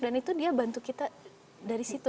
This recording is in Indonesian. dan itu dia bantu kita dari situ